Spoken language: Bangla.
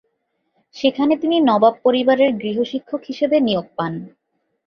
সেখানে তিনি নবাব পরিবারের গৃহ-শিক্ষক হিসেবে নিয়োগ পান।